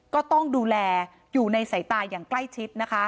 ก็ต้องดูแลอยู่ในสายตาอย่างใกล้ชิดนะคะ